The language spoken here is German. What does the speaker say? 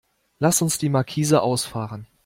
Lass uns die Markise ausfahren.